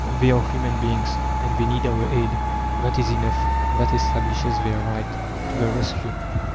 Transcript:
"They are human beings, and they need our aid that is enough, that establishes their right To the rescue!"